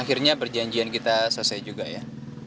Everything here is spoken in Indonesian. akhirnya perjanjian kita selesai juga ya